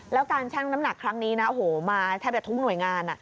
แล้วการชั่งน้ำหนักครั้งนี้มาแทบแต่ทุกหน่วยงาน